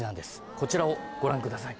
こちらをご覧ください。